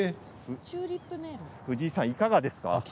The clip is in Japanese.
藤井さん、いかがですか？